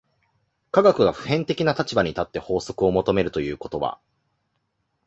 科学が普遍的な立場に立って法則を求めるということは、